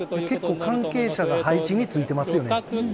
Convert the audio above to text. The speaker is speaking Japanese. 結構関係者が配置についてますよね。